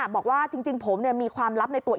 บอกว่าจริงผมเนี่ยมีความลับในตัว